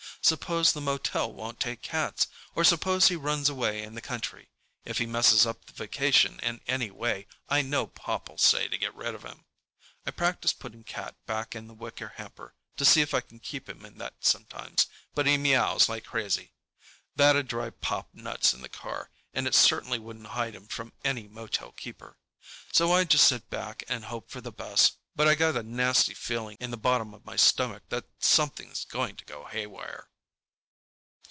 Suppose the motel won't take cats? Or suppose he runs away in the country? If he messes up the vacation in any way, I know Pop'll say to get rid of him. I practice putting Cat back in the wicker hamper to see if I can keep him in that sometimes, but he meows like crazy. That'd drive Pop nuts in the car, and it certainly wouldn't hide him from any motel keeper. So I just sit back and hope for the best, but I got a nasty feeling in the bottom of my stomach that something's going to go haywire.